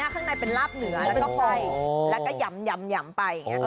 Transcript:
ครั้งในเป็นลาบเหนือแล้วก็ไค้แล้วก็หยำไป